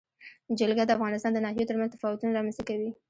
جلګه د افغانستان د ناحیو ترمنځ تفاوتونه رامنځ ته کوي.